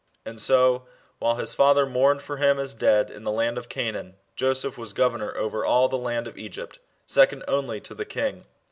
And so, while his father mourned for him as dead in the lard of Canaan, Joseph was governor over all the lana of Egypt second only to the king.